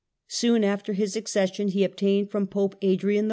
Soon after his accession he obtained from Pope Adrian IV.